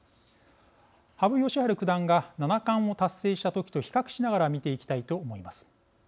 羽生善治九段が七冠を達成した時と比較しながら見ていきたいと思います。